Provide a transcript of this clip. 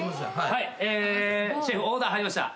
シェフオーダー入りました。